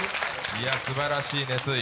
いや、すばらしい熱意。